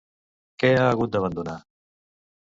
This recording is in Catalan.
Què ha hagut d'abandonar?